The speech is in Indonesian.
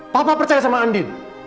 papa percaya sama andi